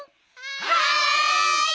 はい！